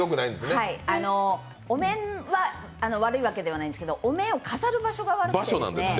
お面は悪いわけではないんですけどお面を飾る場所が悪くて。